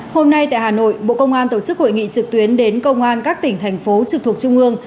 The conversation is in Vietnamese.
hôm nay tại hà nội bộ công an tổ chức hội nghị trực tuyến đến công an các tỉnh thành phố trực thuộc trung ương